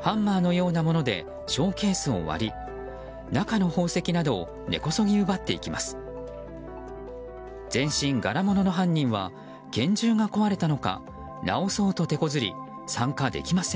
ハンマーのようなものでショーケースを割り中の宝石などを根こそぎ奪っていきます。